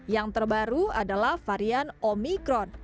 yang terbaru adalah varian omikron